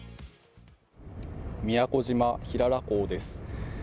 宮古島、平良港です。